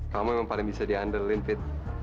kamu yang paling bisa di underlin fit